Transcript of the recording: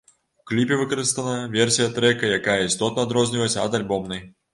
У кліпе выкарыстана версія трэка, якая істотна адрозніваецца ад альбомнай.